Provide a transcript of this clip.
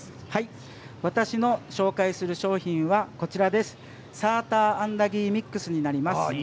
私が紹介する商品がサーターアンダギーミックスになります。